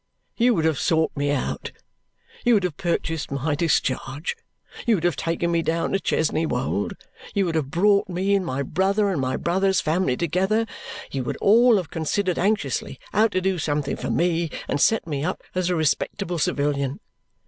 You would have sought me out; you would have purchased my discharge; you would have taken me down to Chesney Wold; you would have brought me and my brother and my brother's family together; you would all have considered anxiously how to do something for me and set me up as a respectable civilian.